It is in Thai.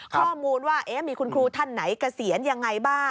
ข้อมูลว่ามีคุณครูท่านไหนเกษียณยังไงบ้าง